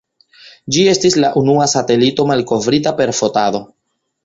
Ĝi estis la unua satelito malkovrita per fotado.